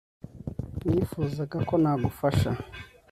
nifuzaga ko nagufasha